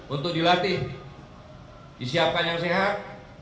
untuk dilatih disiapkan yang sehat